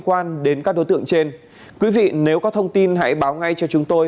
nếu có thông tin liên quan đến các đối tượng trên quý vị nếu có thông tin hãy báo ngay cho chúng tôi